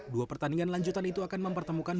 dua pertandingan lanjutan itu akan mempertemukan